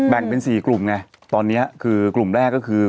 เป็น๔กลุ่มไงตอนนี้คือกลุ่มแรกก็คือ